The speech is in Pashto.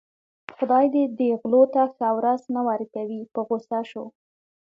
خدای دې دې غلو ته ښه ورځ نه ورکوي په غوسه شو.